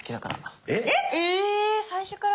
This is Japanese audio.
えっ⁉え最初から？